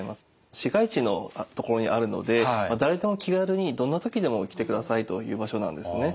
市街地のところにあるので誰でも気軽にどんな時でも来てくださいという場所なんですね。